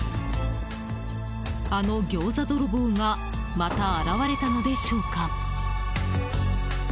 あのギョーザ泥棒がまた現れたのでしょうか。